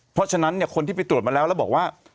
เพราะฉะนั้นคนที่ไปตรวจมาแล้วแล้วบอกว่า